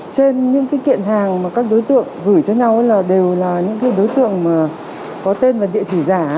trên những cái kiện hàng mà các đối tượng gửi cho nhau đều là những đối tượng có tên và địa chỉ giả